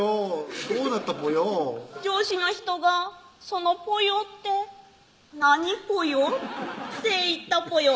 上司の人が「そのぽよって何ぽよ？」言ったぽよ